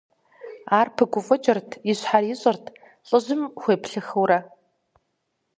Ар пыгуфӀыкӀырт, и щхьэр ищӀырт, лӀыжьым хуеплъыхыурэ.